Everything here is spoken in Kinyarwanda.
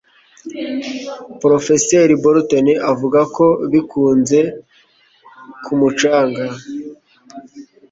Porofeseri Barton avuga ko bikunze kumucanga